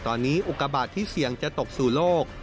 ตอนนี้อุกาบาทที่เสี่ยงจะตกสู่โลก